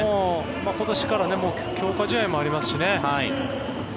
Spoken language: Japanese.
今年から強化試合もありますしね。